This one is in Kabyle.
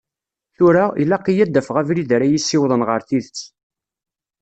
Tura, ilaq-iyi a d-afeɣ abrid ara yi-ssiwḍen ɣer tidet.